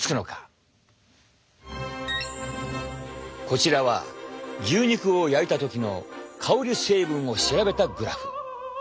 こちらは牛肉を焼いた時の香り成分を調べたグラフ。